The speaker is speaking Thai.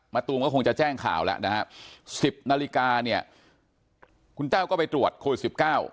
ตูมก็คงจะแจ้งข่าวแล้วนะฮะสิบนาฬิกาเนี่ยคุณแต้วก็ไปตรวจโควิดสิบเก้า